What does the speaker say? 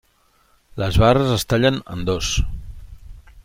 Les barres es tallen en dos.